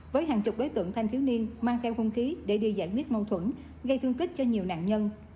với hàng chục đối tượng thanh thiếu niên mang theo hung khí để đi giải quyết mâu thuẫn gây thương tích cho nhiều nạn nhân